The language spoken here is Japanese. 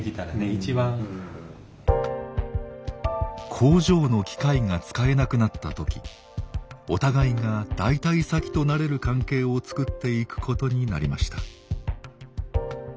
工場の機械が使えなくなった時お互いが代替先となれる関係を作っていくことになりました。